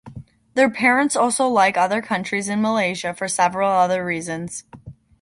Their parents also like other countries in Malaysia for several other reasons.